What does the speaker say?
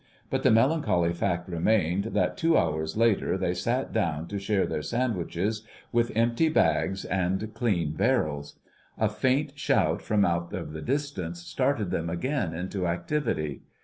But the melancholy fact remains that two hours later they sat down to share their sandwiches with empty bags and clean barrels. A faint shout from out of the distance started them again into activity.